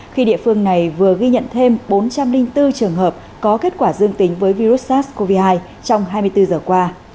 khi địa phương này vừa ghi nhận thêm bốn trăm linh bốn trường hợp có kết quả dương tính với virus sars cov hai trong hai mươi bốn giờ qua